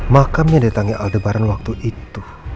makamnya datangnya aldebaran waktu itu